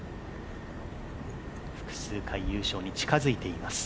複数回、優勝に近づいています。